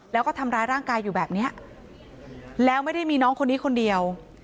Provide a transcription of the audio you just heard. แล้วก็ทำร้ายร่างกายอยู่แบบเนี้ยแล้วไม่ได้มีน้องคนนี้คนเดียว